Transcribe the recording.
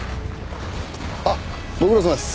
あっご苦労さまです。